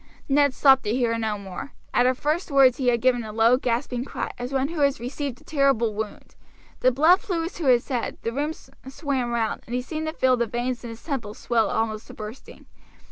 Ned stopped to hear no more. At her first words he had given a low, gasping cry, as one who has received a terrible wound. The blood flew to his head, the room swam round, and he seemed to feel the veins in his temples swell almost to bursting.